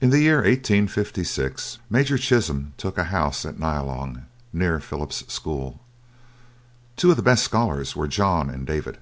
In the year 1856 Major Chisholm took a house at Nyalong, near Philip's school. Two of the best scholars were John and David.